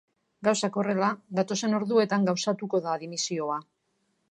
Gauzak horrela, datozen orduetan gauzatuko da dimisioa.